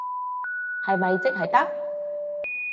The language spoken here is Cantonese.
係咪即係得？